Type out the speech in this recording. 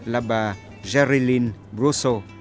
là bà gerilyn brousseau